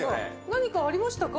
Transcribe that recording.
何かありましたか？